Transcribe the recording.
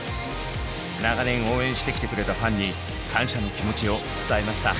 長年応援してきてくれたファンに感謝の気持ちを伝えました。